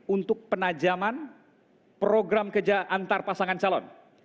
untuk penajaman program kerja antar pasangan calon